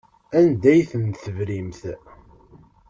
Anda ay ten-tebrimt?